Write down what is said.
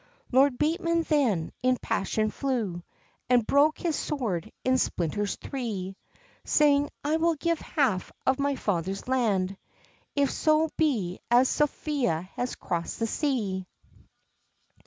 Lord Bateman then in passion flew, And broke his sword in splinters three, Saying, "I will give half of my father's land, If so be as Sophia has crossed the sea."